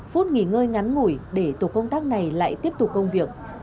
phút nghỉ ngơi ngắn ngủi để tổ công tác này lại tiếp tục công việc